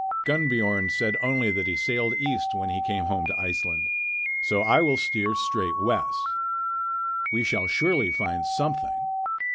"Gunnbiorn said only that he sailed east when he came home to Iceland. So I will steer straight west. We shall surely find something.